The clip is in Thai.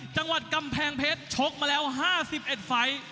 จังหวัดกำแพงเพชรชกมาแล้ว๕๑ไฟล์